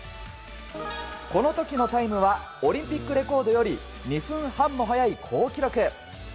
この時のタイムはオリンピックレコードより２分半も速い好記録。